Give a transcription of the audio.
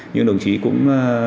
nhưng đồng chí cũng